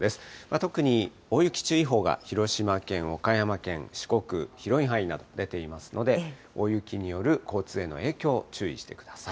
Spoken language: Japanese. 特に大雪注意報が広島県、岡山県、四国、広い範囲に出ていますので、大雪による交通への影響、注意してください。